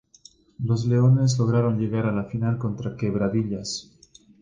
Los Leones lograron llegar a la final contra Quebradillas.